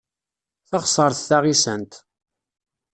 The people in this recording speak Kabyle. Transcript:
Taɣsert taɣisant.